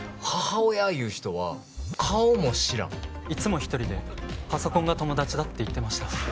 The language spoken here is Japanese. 母親いう人は顔も知らんいつも一人でパソコンが友達だって言ってました